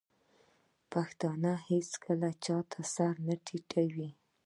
پښتون هیڅکله چا ته سر نه ټیټوي.